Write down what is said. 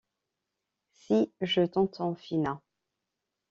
Si je t’entends, Phina!